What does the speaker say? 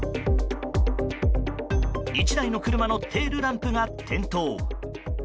１台の車のテールランプが点灯。